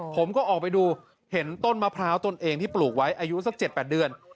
ผมก็ออกไปดูเห็นต้นมะพร้าวตนเองที่ปลูกไว้อายุสัก๗๘เดือน